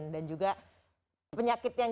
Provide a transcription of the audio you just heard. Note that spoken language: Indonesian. dan juga penyakit yang